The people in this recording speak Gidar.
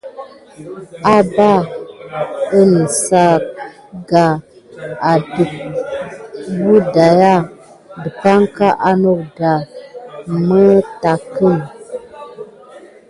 Əbba i sa kan adake wudaya depanka andoko mataki.